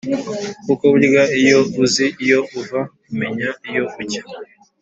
kuko burya iyo uzi iyo uva umenya iyo ujya